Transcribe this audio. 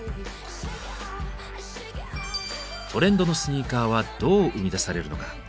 トレンドのスニーカーはどう生み出されるのか。